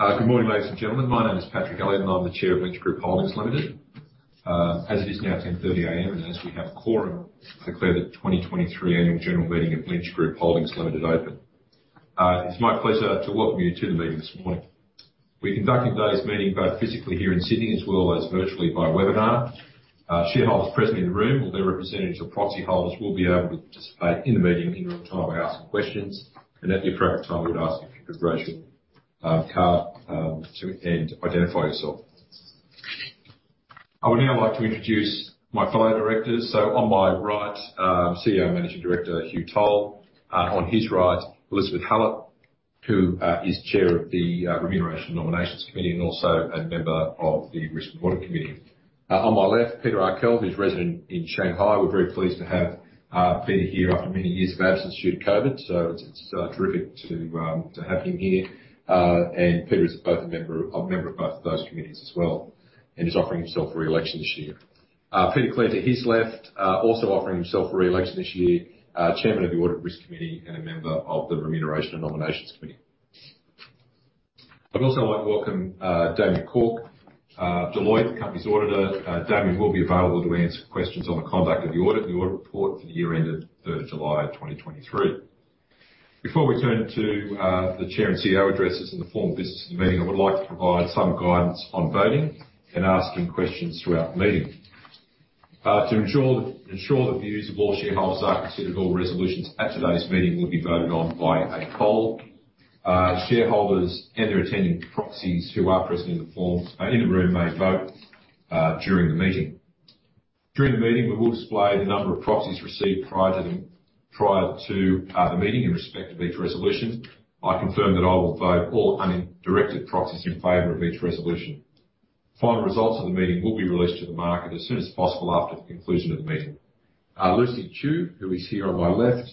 Good morning, ladies and gentlemen. My name is Patrick Elliott, and I'm the Chair of Lynch Group Holdings Limited. As it is now 10:30 A.M., and as we have a quorum, I declare the 2023 Annual General Meeting of Lynch Group Holdings Limited open. It's my pleasure to welcome you to the meeting this morning. We're conducting today's meeting both physically here in Sydney, as well as virtually by webinar. Shareholders present in the room, their representatives, or proxy holders will be able to participate in the meeting in real time by asking questions, and at the appropriate time, we'd ask if you could raise your card and identify yourself. I would now like to introduce my fellow directors. So on my right, CEO and Managing Director, Hugh Toll. On his right, Elizabeth Hallett, who is chair of the Remuneration and Nominations Committee and also a member of the Audit and Risk Committee. On my left, Peter Arkell, who is resident in Shanghai. We're very pleased to have Peter here after many years of absence due to COVID, so it's terrific to have him here. And Peter is a member of both of those committees as well, and he's offering himself for re-election this year. Peter Clare, to his left, is also offering himself for re-election this year, chairman of the Audit and Risk Committee and a member of the Remuneration and Nominations Committee. I'd also like to welcome Damien Cork of Deloitte, the company's auditor. Damien will be available to answer questions on the conduct of the audit and the audit report for the year ended July 3, 2023. Before we turn to the Chair and CEO addresses and the formal business of the meeting, I would like to provide some guidance on voting and asking questions throughout the meeting. To ensure the views of all shareholders are considered, all resolutions at today's meeting will be voted on by a poll. Shareholders and their appointed proxies who are present in the room may vote during the meeting. During the meeting, we will display the number of proxies received prior to the meeting in respect of each resolution. I confirm that I will vote all undirected proxies in favour of each resolution. Final results of the meeting will be released to the market as soon as possible after the conclusion of the meeting. Lucy Chu, who is here on my left,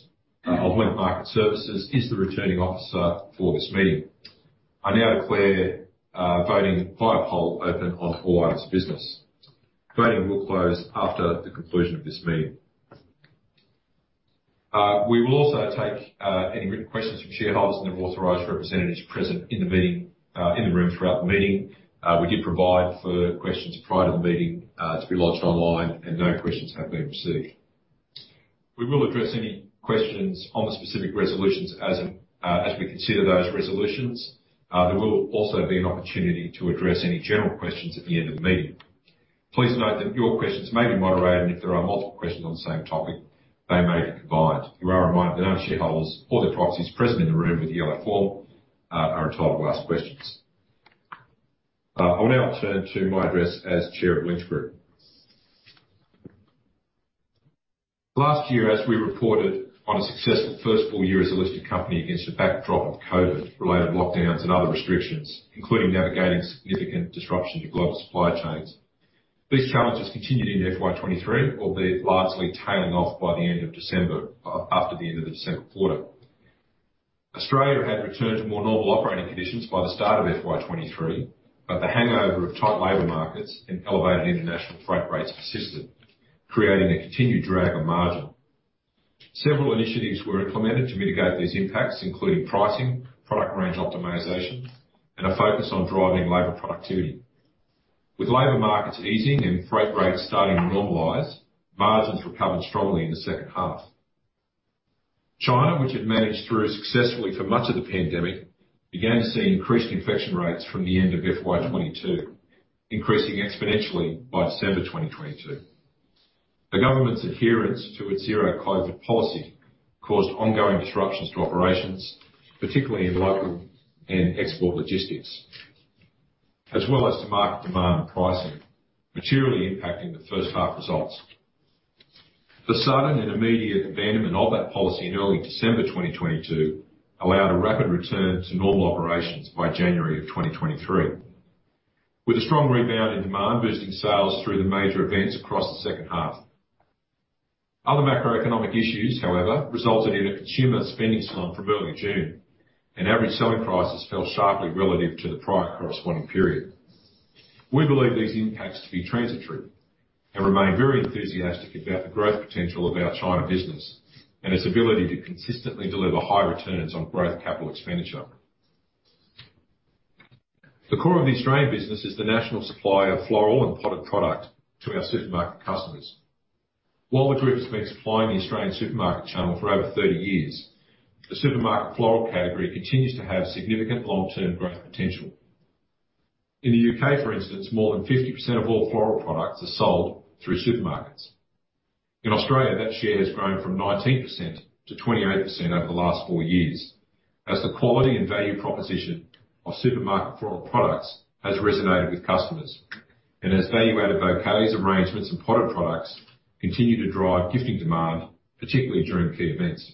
of Link Market Services, is the Returning Officer for this meeting. I now declare voting via poll open on all items of business. Voting will close after the conclusion of this meeting. We will also take any written questions from shareholders and their authorized representatives present in the room throughout the meeting. We did provide for questions prior to the meeting, to be lodged online, and no questions have been received. We will address any questions on the specific resolutions as we consider those resolutions. There will also be an opportunity to address any general questions at the end of the meeting. Please note that your questions may be moderated, and if there are multiple questions on the same topic, they may be combined. You are reminded that only shareholders or their proxies present in the room with the authority form are entitled to ask questions. I'll now turn to my address as Chair of Lynch Group. Last year, we reported on a successful first full year as a listed company against the backdrop of COVID-related lockdowns and other restrictions, including navigating significant disruptions to global supply chains. These challenges continued into FY 23, albeit largely tailing off by the end of December after the end of the second quarter. Australia had returned to more normal operating conditions by the start of FY 23, but the hangover of tight labor markets and elevated international freight rates persisted, creating a continued drag on margin. Several initiatives were implemented to mitigate these impacts, including pricing, product range optimization, and a focus on driving labor productivity. With labor markets easing and freight rates starting to normalize, margins recovered strongly in the second half. China, which had managed successfully through much of the pandemic, began to see increased infection rates from the end of FY 2022, increasing exponentially by December 2022. The government's adherence to its Zero-COVID Policy caused ongoing disruptions to operations, particularly in local and export logistics, as well as to market demand and pricing, materially impacting the first half results. The sudden and immediate abandonment of that policy in early December 2022 allowed a rapid return to normal operations by January 2023, with a strong rebound in demand, boosting sales through the major events across the second half. Other macroeconomic issues, however, resulted in a consumer spending slump from early June, and average selling prices fell sharply relative to the prior corresponding period. We believe these impacts to be transitory and remain very enthusiastic about the growth potential of our China business and its ability to consistently deliver high returns on growth capital expenditure. The core of the Australian business is the national supplier of floral and potted product to our supermarket customers. While the group has been supplying the Australian supermarket channel for over 30 years, the supermarket floral category continues to have significant long-term growth potential. In the UK, for instance, more than 50% of all floral products are sold through supermarkets. In Australia, that share has grown from 19% to 28% over the last 4 years, as the quality and value proposition of supermarket floral products has resonated with customers. Value-added bouquets, arrangements, and potted products continue to drive gifting demand, particularly during key events.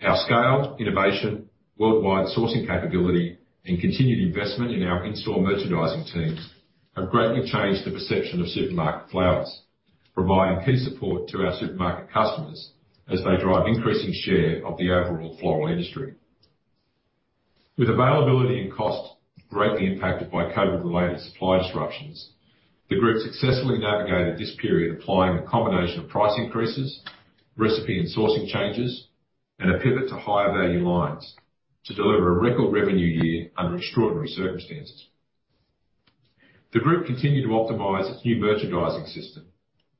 Our scale, innovation, worldwide sourcing capability, and continued investment in our in-store merchandising teams have greatly changed the perception of supermarket flowers, providing key support to our supermarket customers as they drive increasing share of the overall floral industry. Availability and cost greatly impacted by COVID-related supply disruptions. The group successfully navigated this period, applying a combination of price increases, recipe and sourcing changes, and a pivot to higher value lines to deliver a record revenue year under extraordinary circumstances. The group continued to optimize its new merchandising system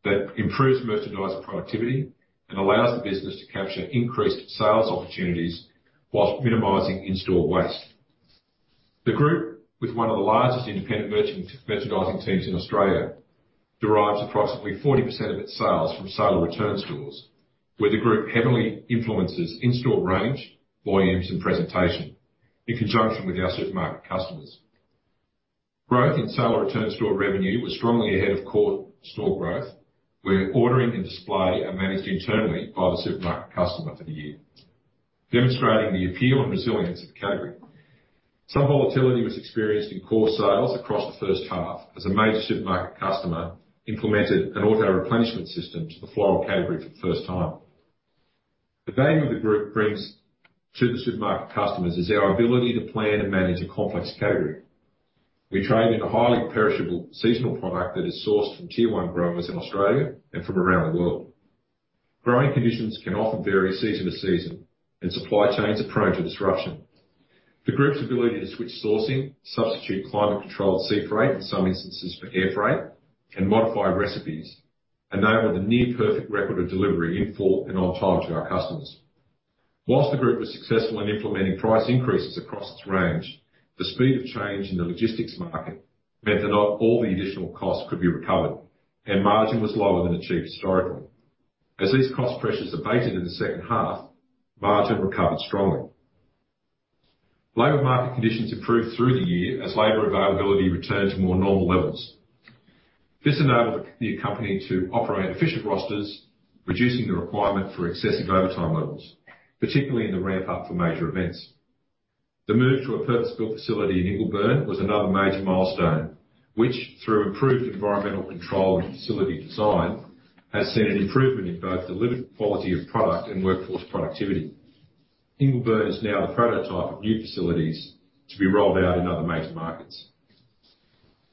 that improves merchandiser productivity and allows the business to capture increased sales opportunities while minimizing in-store waste. The group, with one of the largest independent merchandising teams in Australia, derives approximately 40% of its sales from Sale or Return stores, where the group heavily influences in-store range, volumes, and presentation in conjunction with our supermarket customers. Growth in Sale or Return store revenue was strongly ahead of core store growth, where ordering and display are managed internally by the supermarket customer for the year, demonstrating the appeal and resilience of the category. Some volatility was experienced in core sales across the first half as a major supermarket customer implemented an auto-replenishment system to the floral category for the first time. The value the group brings to the supermarket customers is our ability to plan and manage a complex category. We trade in a highly perishable seasonal product that is sourced from Tier One growers in Australia and from around the world. Growing conditions can often vary season to season, and supply chains are prone to disruption. The group's ability to switch sourcing, substitute climate-controlled sea freight, in some instances for air freight, and modify recipes enabled a near-perfect record of delivery in full and on time to our customers. While the group was successful in implementing price increases across its range, the speed of change in the logistics market meant that not all the additional costs could be recovered, and margin was lower than achieved historically. As these cost pressures abated in the second half, margin recovered strongly. Labor market conditions improved through the year as labor availability returned to more normal levels. This enabled the company to operate efficient rosters, reducing the requirement for excessive overtime levels, particularly in the ramp up for major events. The move to a purpose-built facility in Ingleburn was another major milestone, which, through improved environmental control and facility design, has seen an improvement in both delivered quality of product and workforce productivity. Ingleburn is now the prototype of new facilities to be rolled out in other major markets.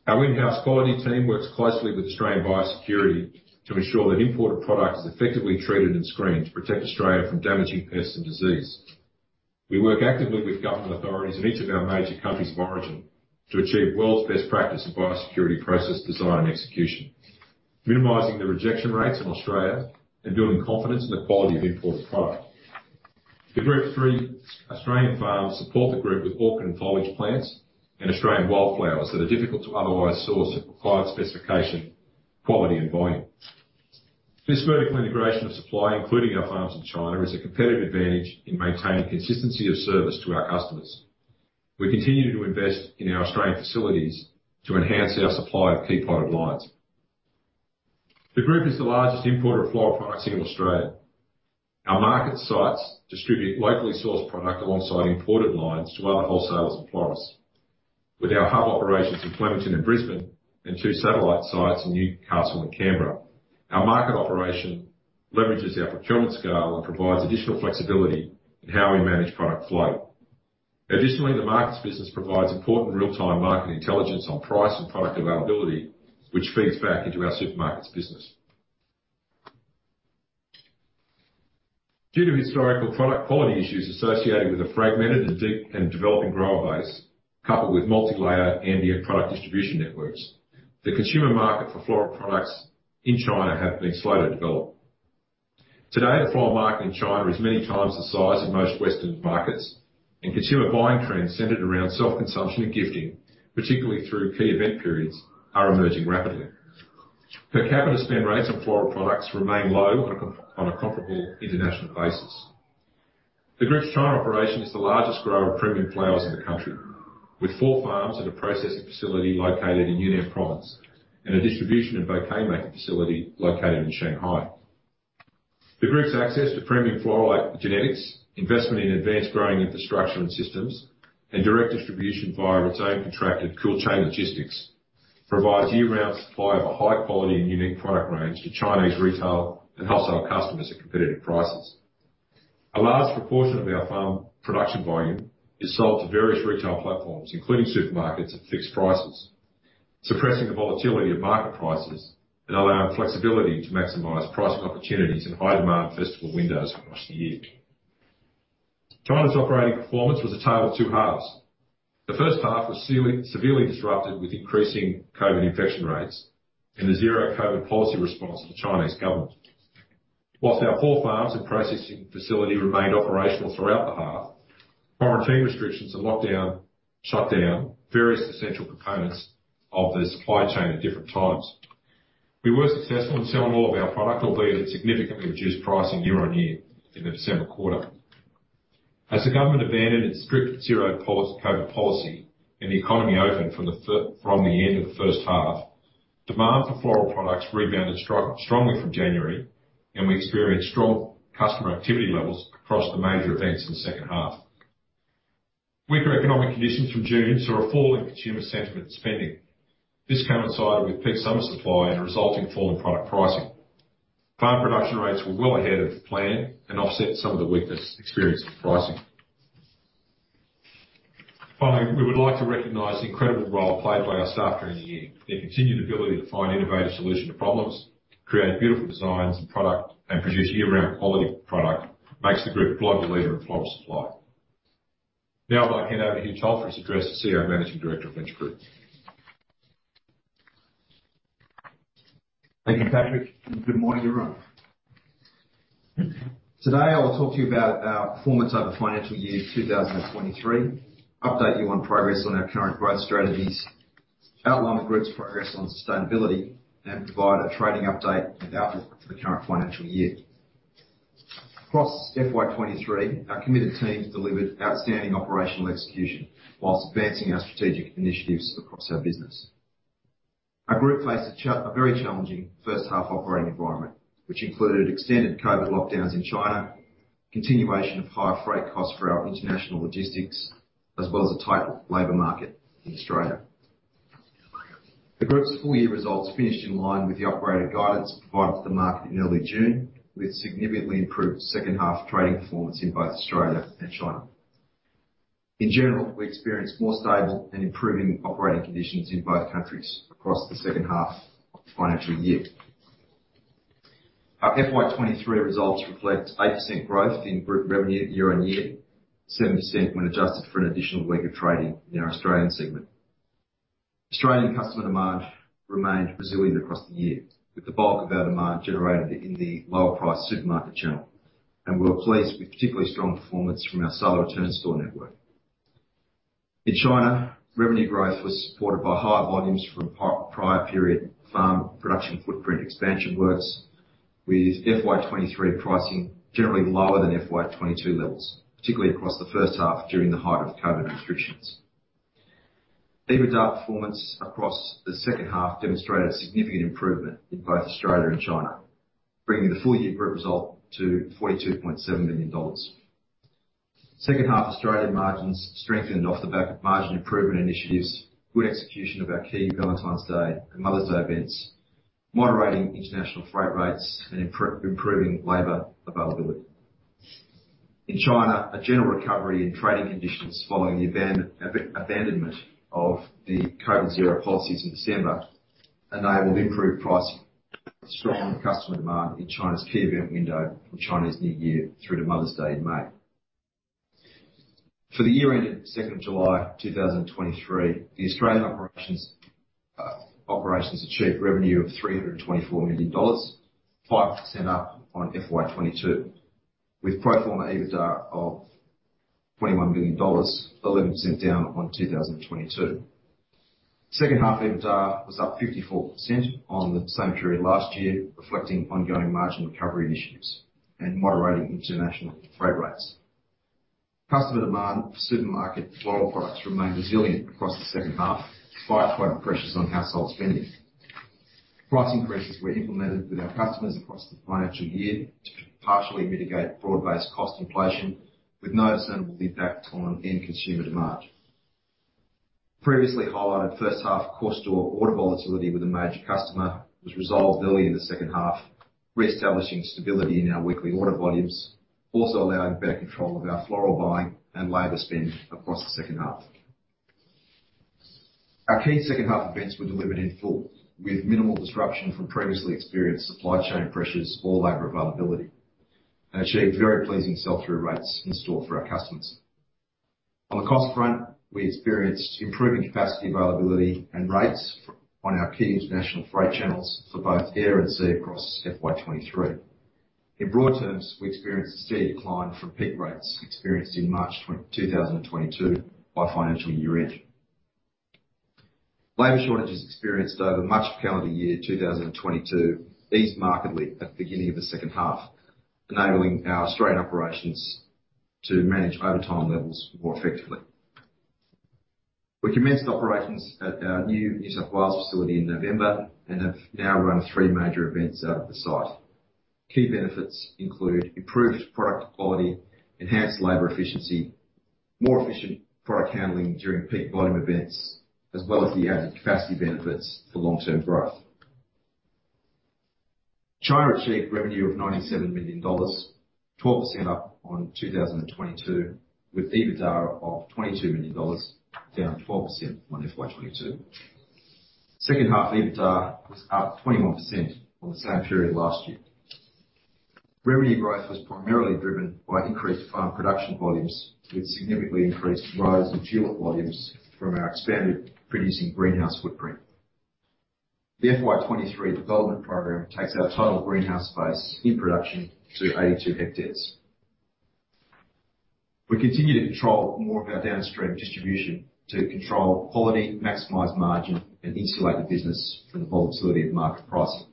Our in-house quality team works closely with Australian Biosecurity to ensure that imported product is effectively treated and screened to protect Australia from damaging pests and disease. We work actively with government authorities in each of our major countries of origin to achieve world's best practice in biosecurity, process, design, and execution, minimizing the rejection rates in Australia and building confidence in the quality of imported product. The group's three Australian farms support the group with orchid and foliage plants and Australian wildflowers that are difficult to otherwise source for client specification, quality, and volume. This vertical integration of supply, including our farms in China, is a competitive advantage in maintaining consistency of service to our customers. We continue to invest in our Australian facilities to enhance our supply of key product lines. The group is the largest importer of floral products in Australia. Our market sites distribute locally sourced product alongside imported lines to other wholesalers and florists. With our hub operations in Flemington and Brisbane and two satellite sites in Newcastle and Canberra, our market operation leverages our procurement scale and provides additional flexibility in how we manage product flow. Additionally, the markets business provides important real-time market intelligence on price and product availability, which feeds back into our supermarkets business. Due to historical product quality issues associated with a fragmented and developing grower base, coupled with multilayer ambient product distribution networks, the consumer market for floral products in China has been slow to develop. Today, the floral market in China is many times the size of most Western markets, and consumer buying trends centered around self-consumption and gifting, particularly through key event periods, are emerging rapidly. Per capita spend rates on floral products remain low on a comparable international basis. The group's China operation is the largest grower of premium flowers in the country, with four farms and a processing facility located in Yunnan Province, and a distribution and bouquet-making facility located in Shanghai. The group's access to premium floral genetics, investment in advanced growing infrastructure and systems, and direct distribution via its own contracted cool chain logistics, provides year-round supply of a high quality and unique product range to Chinese retail and wholesale customers at competitive prices. A large proportion of our farm production volume is sold to various retail platforms, including supermarkets, at fixed prices, suppressing the volatility of market prices and allowing flexibility to maximize pricing opportunities in high-demand festival windows across the year. China's operating performance was a tale of two halves. The first half was severely disrupted, with increasing COVID infection rates and the zero-COVID policy response by the Chinese government. While our four farms and processing facility remained operational throughout the half, quarantine restrictions and lockdown shut down various essential components of the supply chain at different times. We were successful in selling all of our product, albeit at significantly reduced pricing year-on-year in the December quarter. As the government abandoned its strict zero-COVID policy and the economy opened from the end of the first half, demand for floral products rebounded strongly from January, and we experienced strong customer activity levels across the major events in the second half. Weaker economic conditions from June saw a fall in consumer sentiment spending. This coincided with peak summer supply and a resulting fall in product pricing. Farm production rates were well ahead of plan and offset some of the weakness experienced in pricing.... Finally, we would like to recognize the incredible role played by our staff during the year. Their continued ability to find innovative solutions to problems, create beautiful designs and product, and produce year-round quality product, makes the group a global leader in floral supply. Now, I'd like to hand over to Hugh Toll to address as CEO and Managing Director of Lynch Group. Thank you, Patrick, and good morning, everyone. Today, I will talk to you about our performance over financial year 2023, update you on progress on our current growth strategies, outline the group's progress on sustainability, and provide a trading update and outlook for the current financial year. Across FY 2023, our committed teams delivered outstanding operational execution while advancing our strategic initiatives across our business. Our group faced a very challenging first half operating environment, which included extended COVID lockdowns in China, continuation of higher freight costs for our international logistics, as well as a tight labor market in Australia. The group's full year results finished in line with the operating guidance provided to the market in early June, with significantly improved second half trading performance in both Australia and China. In general, we experienced more stable and improving operating conditions in both countries across the second half of the financial year. Our FY 2023 results reflect 8% growth in group revenue year-on-year, 7% when adjusted for an additional week of trading in our Australian segment. Australian customer demand remained resilient across the year, with the bulk of our demand generated in the lower priced supermarket channel, and we were pleased with particularly strong performance from our Sale or Return store network. In China, revenue growth was supported by higher volumes from prior period farm production footprint expansion works, with FY 2023 pricing generally lower than FY 2022 levels, particularly across the first half during the height of COVID restrictions. EBITDA performance across the second half demonstrated a significant improvement in both Australia and China, bringing the full year group result to 42.7 million dollars. Second half Australian margins strengthened off the back of margin improvement initiatives, good execution of our key Valentine's Day and Mother's Day events, moderating international freight rates, and improving labor availability. In China, a general recovery in trading conditions following the abandonment of the Zero-COVID policies in December, enabled improved pricing, strong customer demand in China's key event window from Chinese New Year through to Mother's Day in May. For the year ended 2 July 2023, the Australian operations achieved revenue of AUD 324 million, 5% up on FY 2022, with pro forma EBITDA of 21 million dollars, 11% down on 2022. Second half EBITDA was up 54% on the same period last year, reflecting ongoing margin recovery initiatives and moderating international freight rates. Customer demand for supermarket floral products remained resilient across the second half, despite growing pressures on household spending. Price increases were implemented with our customers across the financial year to partially mitigate broad-based cost inflation, with no discernible impact on end consumer demand. Previously highlighted first half core store order volatility with a major customer was resolved early in the second half, reestablishing stability in our weekly order volumes, also allowing better control of our floral buying and labor spend across the second half. Our key second half events were delivered in full, with minimal disruption from previously experienced supply chain pressures or labor availability, and achieved very pleasing sell-through rates in store for our customers. On the cost front, we experienced improving capacity, availability, and rates on our key international freight channels for both air and sea across FY 23. In broad terms, we experienced a steady decline from peak rates experienced in March 2022 by financial year end. Labor shortages experienced over much of calendar year 2022, eased markedly at the beginning of the second half, enabling our Australian operations to manage overtime levels more effectively. We commenced operations at our new New South Wales facility in November and have now run three major events out of the site. Key benefits include improved product quality, enhanced labor efficiency, more efficient product handling during peak volume events, as well as the added capacity benefits for long-term growth. China achieved revenue of 97 million dollars, 12% up on 2022, with EBITDA of 22 million dollars, down 12% on FY 2022. Second half EBITDA was up 21% on the same period last year. Revenue growth was primarily driven by increased farm production volumes, with a significant increase in tulip volumes from our expanded producing greenhouse footprint. The FY 2023 development program takes our total greenhouse space in production to 82 hectares. We continue to control more of our downstream distribution to control quality, maximize margin, and insulate the business from the volatility of market price.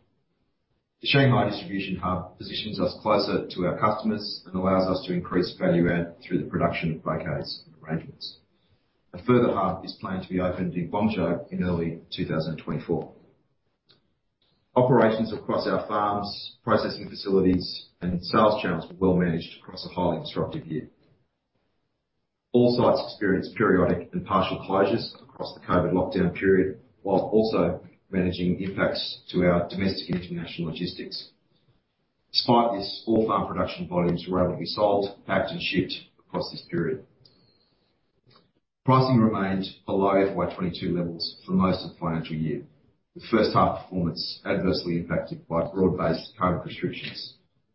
The Shanghai distribution hub positions us closer to our customers and allows us to increase value add through the production of bouquets and arrangements. A further hub is planned to be opened in Guangzhou in early 2024. Operations across our farms, processing facilities, and sales channels were well managed across a highly disruptive year. All sites experienced periodic and partial closures across the COVID lockdown period, while also managing impacts to our domestic and international logistics.... Despite this, all farm production volumes were readily sold, packed, and shipped across this period. Pricing remained below FY 2022 levels for most of the financial year. The first half performance was adversely impacted by broad-based COVID restrictions,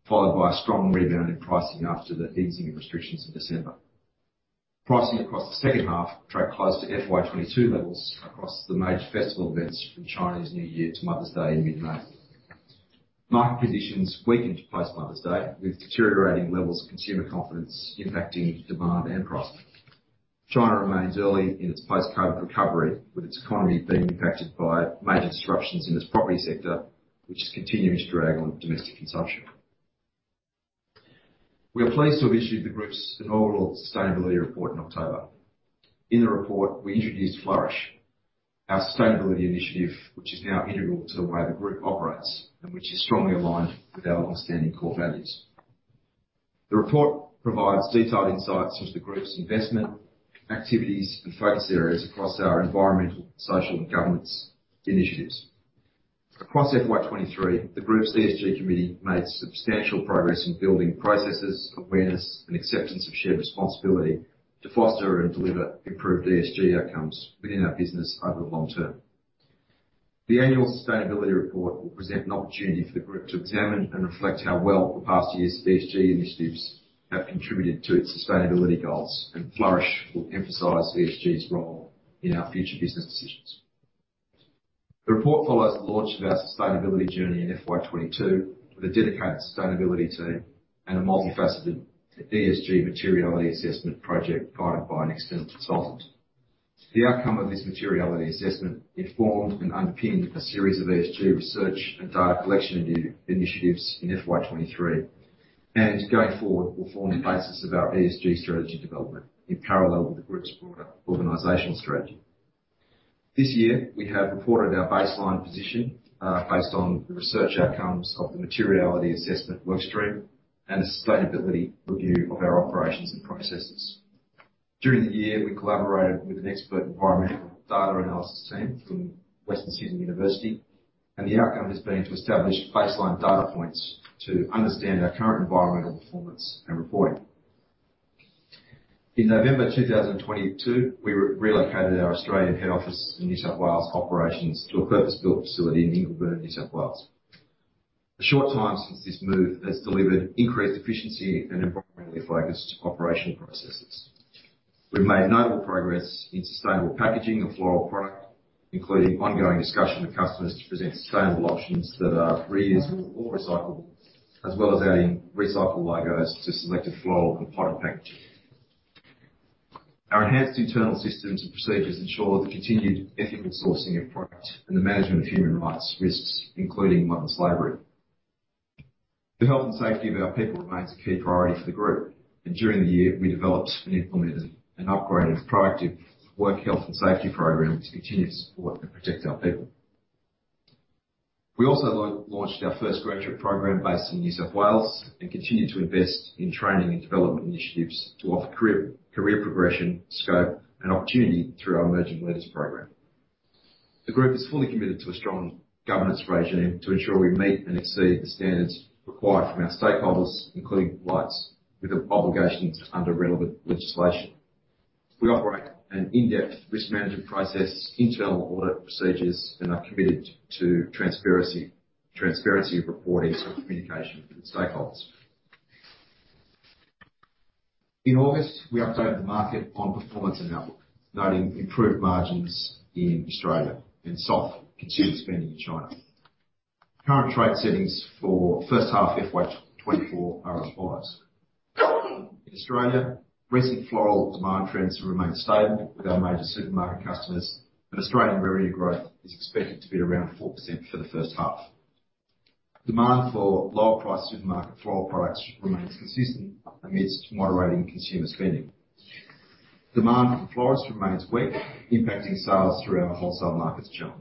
followed by a strong rebound in pricing after the easing of restrictions in December. Pricing across the second half tracked close to FY 2022 levels across the major festival events from Chinese New Year to Mother's Day in mid-May. Market positions weakened post Mother's Day, with deteriorating levels of consumer confidence impacting demand and pricing. China remains early in its post-COVID recovery, with its economy being impacted by major disruptions in its property sector, which is continuing to drag on domestic consumption. We are pleased to have issued the group's inaugural sustainability report in October. In the report, we introduced Flourish, our sustainability initiative, which is now integral to the way the group operates and which is strongly aligned with our longstanding core values. The report provides detailed insights into the group's investment, activities, and focus areas across our environmental, social, and governance initiatives. Across FY 2023, the group's ESG committee made substantial progress in building processes, awareness, and acceptance of shared responsibility to foster and deliver improved ESG outcomes within our business over the long term. The annual sustainability report will present an opportunity for the group to examine and reflect on how well the past year's ESG initiatives have contributed to its sustainability goals, and Flourish will emphasize ESG's role in our future business decisions. The report follows the launch of our sustainability journey in FY 2022, with a dedicated sustainability team and a multifaceted ESG materiality assessment project guided by an external consultant. The outcome of this materiality assessment informed and underpinned a series of ESG research and data collection initiatives in FY 2023, and going forward, will form the basis of our ESG strategy development in parallel with the group's broader organizational strategy. This year, we have reported our baseline position based on the research outcomes of the materiality assessment workstream and a sustainability review of our operations and processes. During the year, we collaborated with an expert environmental data analysis team from Western Sydney University, and the outcome has been to establish baseline data points to understand our current environmental performance and reporting. In November 2022, we relocated our Australian head office in New South Wales operations to a purpose-built facility in Ingleburn, New South Wales. The short time since this move has delivered increased efficiency and environmentally focused operation processes. We've made notable progress in sustainable packaging of floral product, including ongoing discussion with customers to present sustainable options that are reusable or recyclable, as well as adding recycle logos to selected floral and product packaging. Our enhanced internal systems and procedures ensure the continued ethical sourcing of product and the management of human rights risks, including modern slavery. The health and safety of our people remains a key priority for the group, and during the year, we developed and implemented an upgraded proactive work, health, and safety program to continue to support and protect our people. We also launched our first graduate program based in New South Wales, and continued to invest in training and development initiatives to offer career progression, scope, and opportunity through our Emerging Leaders Program. The group is fully committed to a strong governance regime to ensure we meet and exceed the standards required from our stakeholders, including clients, with the obligations under relevant legislation. We operate an in-depth risk management process, internal audit procedures, and are committed to transparency of reporting and communication with stakeholders. In August, we updated the market on performance and outlook, noting improved margins in Australia and soft consumer spending in China. Current trade settings for first half FY 2024 are as follows: In Australia, recent floral demand trends have remained stable with our major supermarket customers, and Australian revenue growth is expected to be around 4% for the first half. Demand for lower-priced supermarket floral products remains consistent amidst moderating consumer spending. Demand for florists remains weak, impacting sales through our wholesale market channel.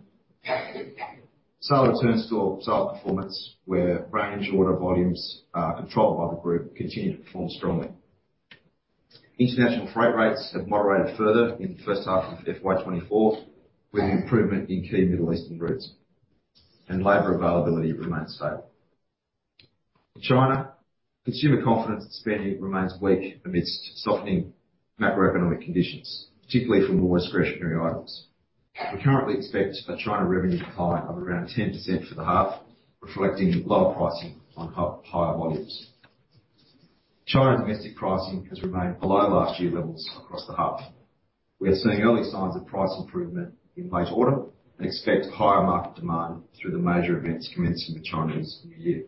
Sale or Return store site performance, where range order volumes controlled by the group continue to perform strongly. International freight rates have moderated further in the first half of FY 2024, with improvement in key Middle Eastern routes, and labor availability remains stable. In China, consumer confidence and spending remains weak amidst softening macroeconomic conditions, particularly for more discretionary items. We currently expect a China revenue decline of around 10% for the half, reflecting lower pricing on higher volumes. China's domestic pricing has remained below last year's levels across the half. We are seeing early signs of price improvement in late autumn and expect higher market demand through the major events commencing the Chinese New Year.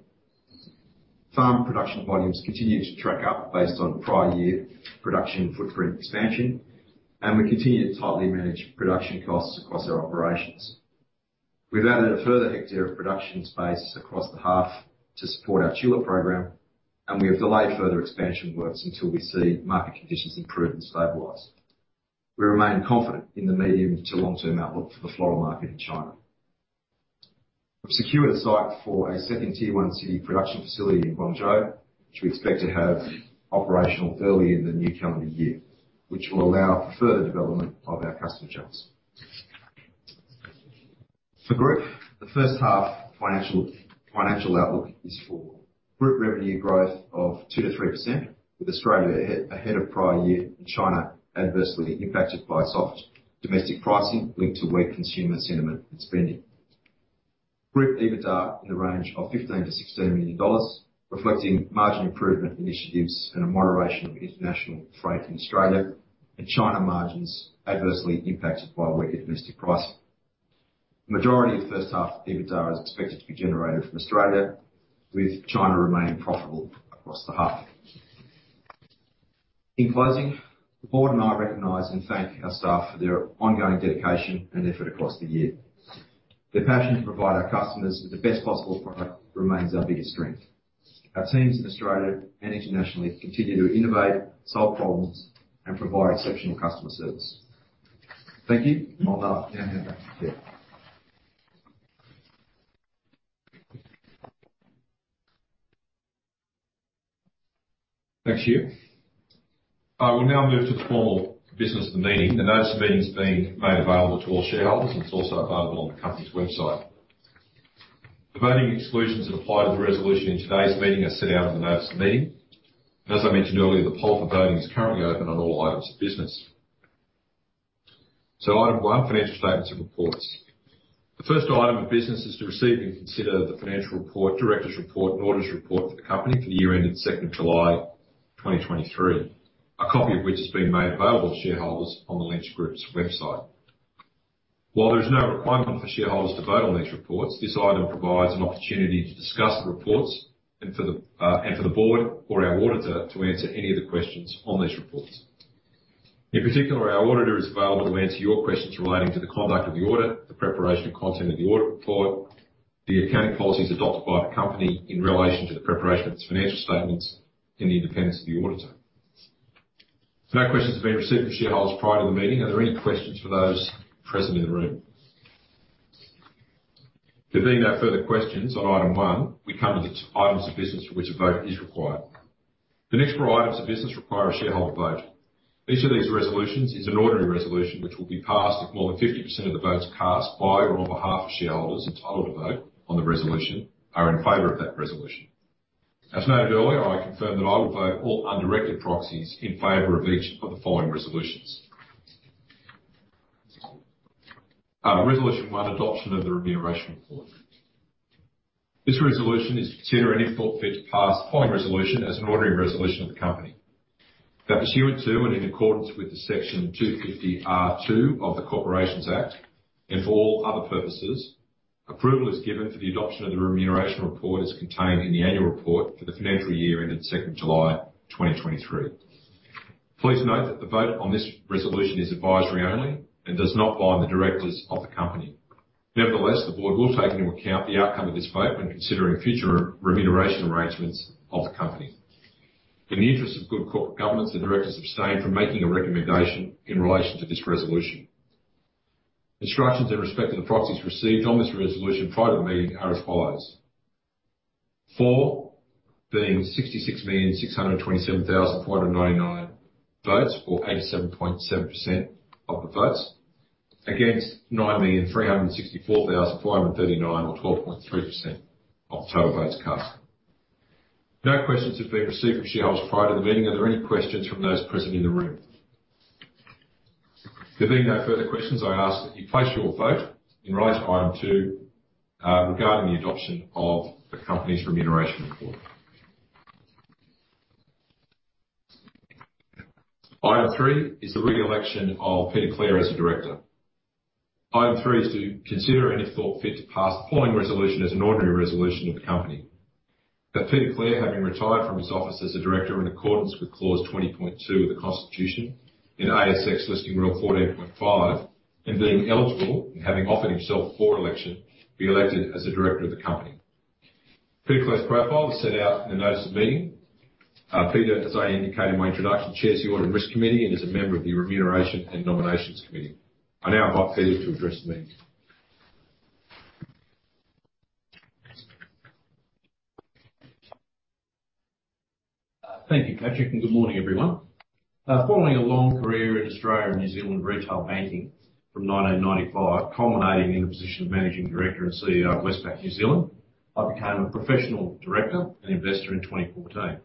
Farm production volumes continue to track up based on prior year production footprint expansion, and we continue to tightly manage production costs across our operations. We've added a further hectare of production space across the half to support our tulip program, and we have delayed further expansion works until we see market conditions improve and stabilize. We remain confident in the medium to long-term outlook for the floral market in China. We've secured a site for a second Tier One city production facility in Guangzhou, which we expect to have operational early in the new calendar year, which will allow further development of our customer channels. For the Group, the first half financial outlook is for Group revenue growth of 2%-3%, with Australia ahead of prior year, and China adversely impacted by soft domestic pricing linked to weak consumer sentiment and spending. Group EBITDA in the range of 15 million-16 million dollars, reflecting margin improvement initiatives and a moderation of international freight in Australia. China margins adversely impacted by weak domestic pricing. The majority of first half EBITDA is expected to be generated from Australia, with China remaining profitable across the half. In closing, the board and I recognize and thank our staff for their ongoing dedication and effort across the year. Their passion to provide our customers with the best possible product remains our biggest strength. Our teams in Australia and internationally continue to innovate, solve problems, and provide exceptional customer service. Thank you. I'll now hand back. Yeah. Thank you. I will now move to the formal business of the meeting. The notice of the meeting has been made available to all shareholders, and it's also available on the company's website. The voting exclusions that apply to the resolution in today's meeting are set out in the notice of the meeting. As I mentioned earlier, the poll for voting is currently open on all items of business. So item one, financial statements and reports. The first item of business is to receive and consider the financial report, director's report, and auditor's report for the company for the year ended 2 July 2023. A copy of which has been made available to shareholders on the Lynch Group's website. While there is no requirement for shareholders to vote on these reports, this item provides an opportunity to discuss the reports and for the board or our auditor to answer any of the questions on these reports. In particular, our auditor is available to answer your questions relating to the conduct of the audit, the preparation and content of the audit report, the accounting policies adopted by the company in relation to the preparation of its financial statements, and the independence of the auditor. No questions have been received from shareholders prior to the meeting. Are there any questions for those present in the room? There being no further questions on item one, we come to the items of business for which a vote is required. The next four items of business require a shareholder vote. Each of these resolutions is an ordinary resolution, which will be passed if more than 50% of the votes cast by or on behalf of shareholders entitled to vote on the resolution are in favor of that resolution. As noted earlier, I confirm that I will vote all undirected proxies in favor of each of the following resolutions. Resolution one, adoption of the remuneration report. This resolution is to consider and, if thought fit, to pass the following resolution as an ordinary resolution of the company. That pursuant to and in accordance with Section 250R(2) of the Corporations Act, and for all other purposes, approval is given for the adoption of the remuneration report as contained in the annual report for the financial year ended 2 July 2023. Please note that the vote on this resolution is advisory only and does not bind the directors of the company. Nevertheless, the Board will take into account the outcome of this vote when considering future remuneration arrangements of the company. In the interest of good corporate governance, the directors abstain from making a recommendation in relation to this resolution. Instructions in respect of the proxies received on this resolution prior to the meeting are as follows: for, being 66,627,499 votes, or 87.7% of the votes, against 9,364,439, or 12.3% of total votes cast. No questions have been received from shareholders prior to the meeting. Are there any questions from those present in the room? There being no further questions, I ask that you place your vote in relation to item two, regarding the adoption of the company's remuneration report. Item three is the re-election of Peter Clare as a director. Item three is to consider and, if thought fit, to pass the following resolution as an ordinary resolution of the company. That Peter Clare, having retired from his office as a director in accordance with Clause 20.2 of the Constitution, and ASX Listing Rule 14.5, and being eligible and having offered himself for election, be elected as a director of the company. Peter Clare's profile is set out in the notice of the meeting. Peter, as I indicated in my introduction, chairs the Audit and Risk Committee and is a member of the Remuneration and Nomination Committee. I now invite Peter to address the meeting. Thank you, Patrick, and good morning, everyone. Following a long career in Australia and New Zealand retail banking from 1995, culminating in the position of Managing Director and CEO of Westpac New Zealand, I became a professional director and investor in 2014.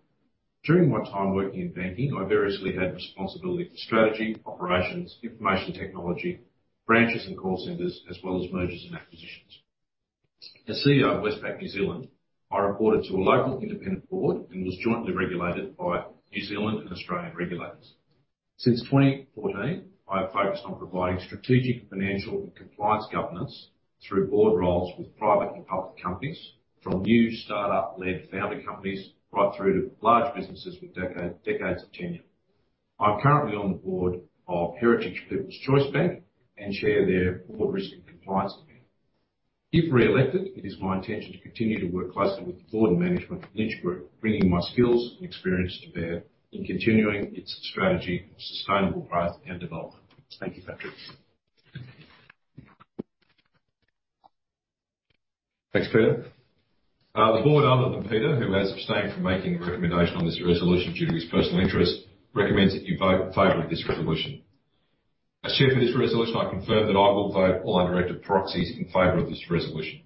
During my time working in banking, I variously had responsibility for strategy, operations, information technology, branches and call centers, as well as mergers and acquisitions. As CEO of Westpac New Zealand, I reported to a local independent board and was jointly regulated by New Zealand and Australian regulators. Since 2014, I have focused on providing strategic, financial, and compliance governance through board roles with private and public companies, from new startup-led founder companies, right through to large businesses with decades of tenure. I'm currently on the board of Heritage People's Choice Bank and chair their Board Risk and Compliance Committee. If reelected, it is my intention to continue to work closely with the board and management of Lynch Group, bringing my skills and experience to bear in continuing its strategy of sustainable growth and development. Thank you, Patrick.... Thanks, Peter. The board, other than Peter, who has abstained from making a recommendation on this resolution due to his personal interest, recommends that you vote in favor of this resolution. As Chair for this resolution, I confirm that I will vote all undirected proxies in favor of this resolution.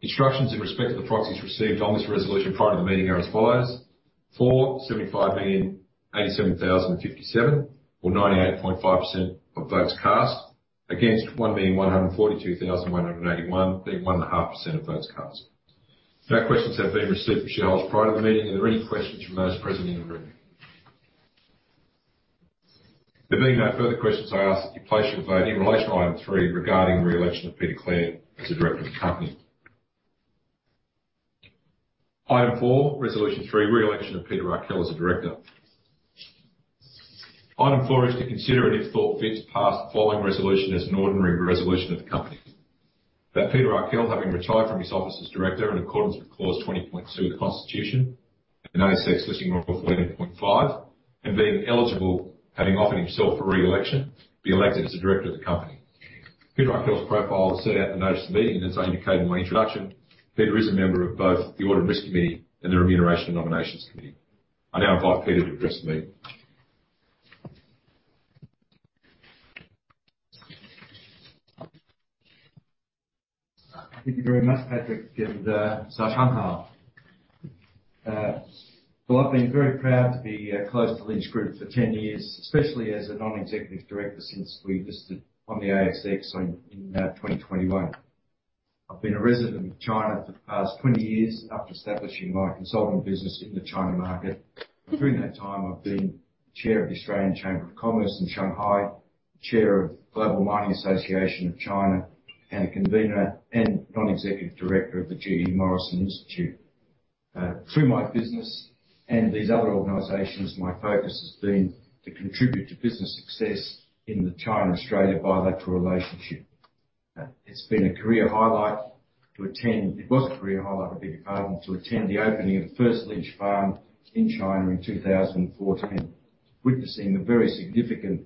Instructions in respect to the proxies received on this resolution prior to the meeting are as follows: for, 75,087,057, or 98.5% of votes cast. Against, 1,142,181, being 1.5% of votes cast. No questions have been received from shareholders prior to the meeting. Are there any questions from those present in the room? There being no further questions, I ask that you place your vote in relation to item three regarding the reelection of Peter Clare as a director of the company. Item four, Resolution three, reelection of Peter Arkell as a director. Item four is to consider, and if thought fit, to pass the following resolution as an ordinary resolution of the company. That Peter Arkell, having retired from his office as a director in accordance with Clause 20.2 of the Constitution and ASX Listing Rule 11.5, and being eligible, having offered himself for reelection, be elected as a director of the company. Peter Arkell's profile is set out in the notice of the meeting, and as I indicated in my introduction, Peter is a member of both the Audit and Risk Committee and the Remuneration and Nomination Committee. I now invite Peter to address the meeting. Thank you very much, Patrick, and, Shanghai. Well, I've been very proud to be close to Lynch Group for 10 years, especially as a non-executive director since we listed on the ASX in 2021. I've been a resident in China for the past 20 years after establishing my consulting business in the China market. During that time, I've been chair of the Australian Chamber of Commerce in Shanghai, chair of Global Mining Association of China, and a convener and non-executive director of the GE Morrison Institute. Through my business and these other organizations, my focus has been to contribute to business success in the China-Australia bilateral relationship. It's been a career highlight to attend... It was a career highlight, I beg your pardon, to attend the opening of the first Lynch farm in China in 2014, witnessing the very significant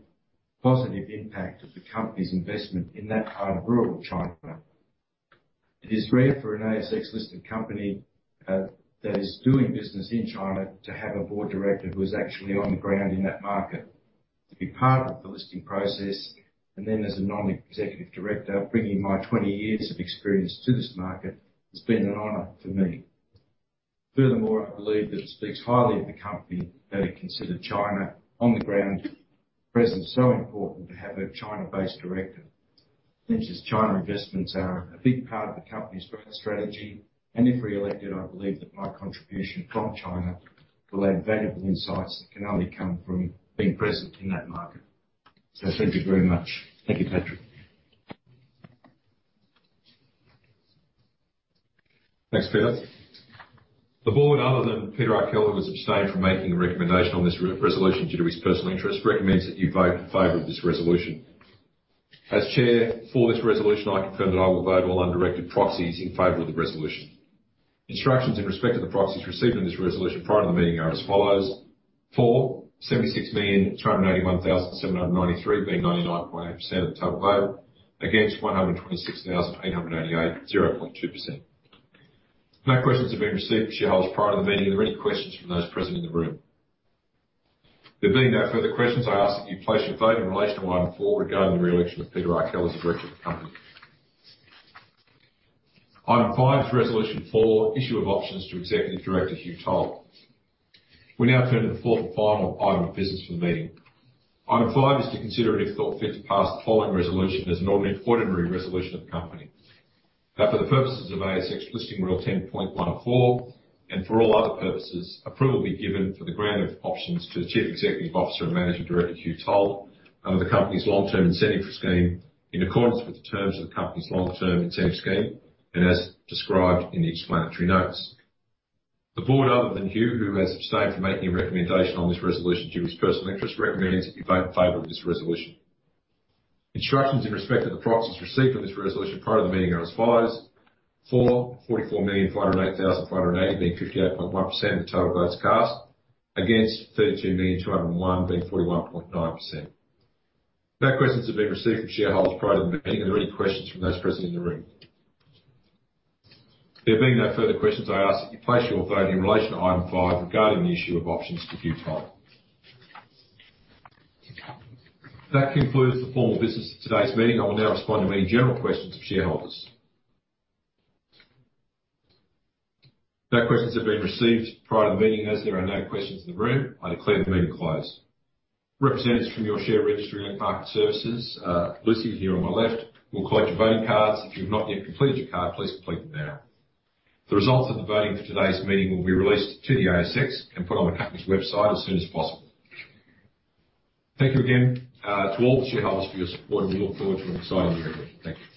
positive impact of the company's investment in that part of rural China. It is rare for an ASX-listed company that is doing business in China to have a board director who is actually on the ground in that market, to be part of the listing process, and then as a non-executive director, bringing my 20 years of experience to this market, has been an honor for me. Furthermore, I believe that it speaks highly of the company that it considered a China on the ground presence so important to have a China-based director. Lynch's China investments are a big part of the company's growth strategy, and if reelected, I believe that my contribution from China will add valuable insights that can only come from being present in that market. So thank you very much. Thank you, Patrick. Thanks, Peter. The board, other than Peter Arkell, who has abstained from making a recommendation on this resolution due to his personal interest, recommends that you vote in favor of this resolution. As chair for this resolution, I confirm that I will vote all undirected proxies in favor of the resolution. Instructions in respect to the proxies received on this resolution prior to the meeting are as follows: for, 76,281,793, being 99.8% of the total votes. Against, 126,888, 0.2%. No questions have been received from shareholders prior to the meeting. Are there any questions from those present in the room? The results of the voting for today's meeting will be released to the ASX and put on the company's website as soon as possible. Thank you again, to all the shareholders for your support. We look forward to an exciting year ahead. Thank you.